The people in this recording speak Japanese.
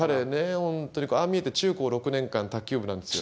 ほんとにああ見えて中高６年間卓球部なんですよ。